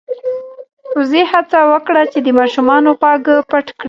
وزې هڅه وکړه چې د ماشومانو خواږه پټ کړي.